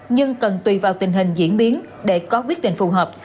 nhưng cần tùy vào tình hình diễn biến để có quyết định phù hợp